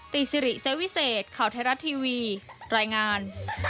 สิริเซวิเศษข่าวไทยรัฐทีวีรายงาน